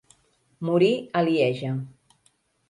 Morí a Lieja.